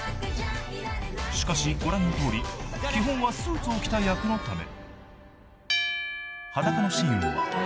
［しかしご覧のとおり基本はスーツを着た役のため］